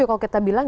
kalau kita bilang